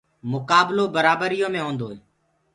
مُڪآبلو برآبريو مي هونٚدو هي